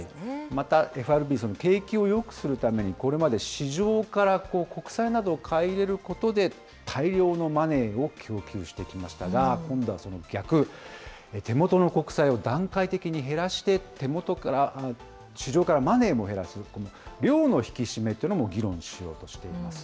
またＦＲＢ、景気をよくするために、これまで市場から国債などを買い入れることで、大量のマネーを供給してきましたが、今度はその逆、手元の国債を段階的に減らして、市場からマネーも減らす、この量の引き締めというのも議論しようとしています。